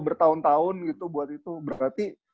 bertahun tahun gitu buat itu berarti